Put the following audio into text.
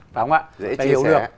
phải không ạ dễ chia sẻ